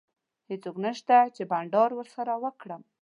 هیڅوک نشته چي بانډار ورسره وکړم.